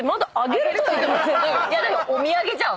いやお土産じゃん。